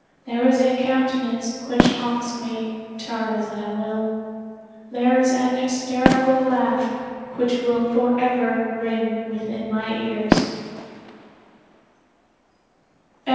There is a countenance which haunts me, turn as I will. There is an hysterical laugh which will forever ring within my ears.